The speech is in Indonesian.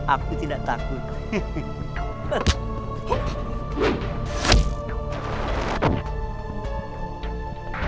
aku tidak takut